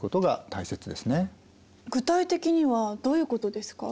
具体的にはどういうことですか？